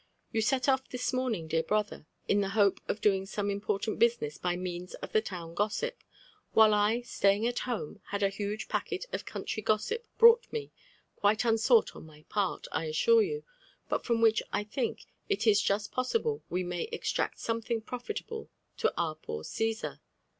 You set off this morning, dear brother, in the hope of doing soaie important business by means of the town gossip, while I, staying at boDAe» had a huge packet ot country gossip brought me, quite unsought on my p«rt» I assure you, but from which I think it is just possible we may eoUract something profitable to our poor Caesar.''